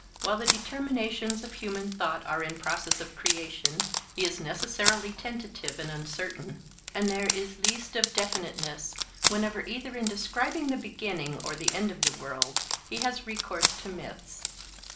While the determinations of human thought are in process of creation he is necessarily tentative and uncertain. And there is least of definiteness, whenever either in describing the beginning or the end of the world, he has recourse to myths.